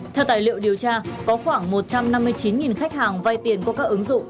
theo tài liệu điều tra có khoảng một trăm năm mươi chín khách hàng vay tiền qua các ứng dụng